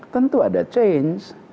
tentu ada change